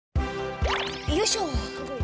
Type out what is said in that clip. よいしょ。